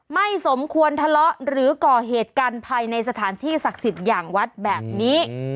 ไม่สมควรทะเลาะหรือก่อเหตุกันภายในสถานที่ศักดิ์สิทธิ์อย่างวัดแบบนี้